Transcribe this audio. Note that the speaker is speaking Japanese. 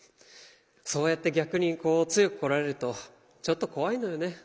そうやって逆に強くこられるとちょっと怖いのよね。